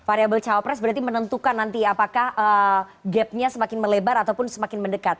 variable cawapres berarti menentukan nanti apakah gapnya semakin melebar ataupun semakin mendekat